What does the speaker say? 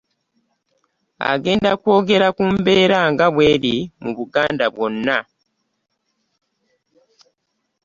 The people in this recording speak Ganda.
Agenda kwogera ku mbeera nga bweri mu Buganda bwonna.